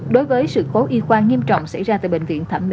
đối với sự cố y khoa nghiêm trọng xảy ra tại bệnh viện thẩm mỹ